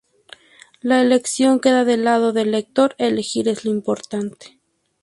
La elección queda del lado del lector; elegir es lo importante.